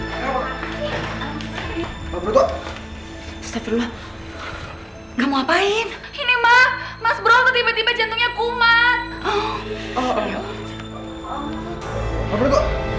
enggak mau ngapain ini mah masbro tiba tiba jantungnya kumat